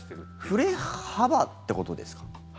振れ幅ってことですか？